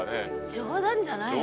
冗談じゃないよね。